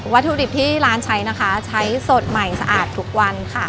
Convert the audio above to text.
ถุดิบที่ร้านใช้นะคะใช้สดใหม่สะอาดทุกวันค่ะ